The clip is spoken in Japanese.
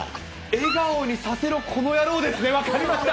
笑顔にさせろ、この野郎ですね、分かりました。